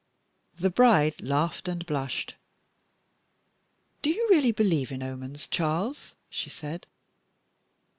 The bride laughed and blushed. "Do you really believe in omens, Charles?" she said.